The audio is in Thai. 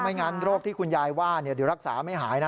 ไม่งั้นโรคที่คุณยายว่าจะรักษาไม่หายนะ